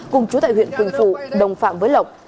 cùng chú tại huyện quỳnh phụ đồng phạm với lộc